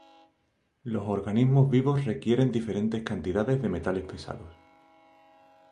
Los organismos vivos requieren diferentes cantidades de metales pesados.